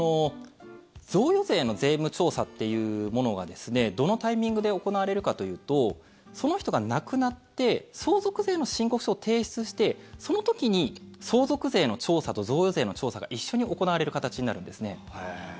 贈与税の税務調査っていうものがどのタイミングで行われるかというとその人が亡くなって相続税の申告書を提出してその時に相続税の調査と贈与税の調査が一緒に行われる形になるんですね。